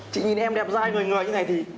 chị nhìn em đẹp dai người người như này thì